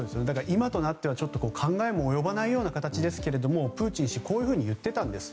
今となっては考えも及ばないような形ですがプーチン氏こういうふうに言っていたんです。